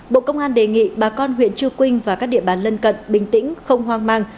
bộ công an đề nghị bà con huyện chư quynh và các địa bàn lân cận bình tĩnh không hoang mang